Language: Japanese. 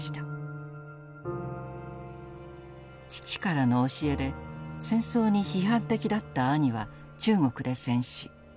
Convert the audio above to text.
父からの教えで戦争に批判的だった兄は中国で戦死。